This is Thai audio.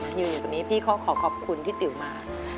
อยู่ตรงนี้พี่ก็ขอขอบคุณที่ติ๋วมา